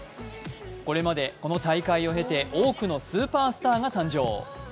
これまでこの大会を経て多くのスーパースターが誕生。